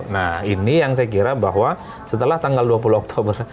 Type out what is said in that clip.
nah ini yang saya kira bahwa setelah tanggal dua puluh oktober